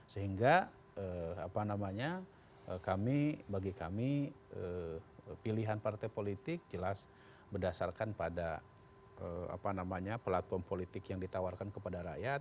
sehingga kami bagi kami pilihan partai politik jelas berdasarkan pada platform politik yang ditawarkan kepada rakyat